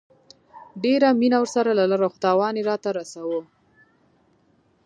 ډيره مينه ورسره لرله خو تاوان يي راته رسوو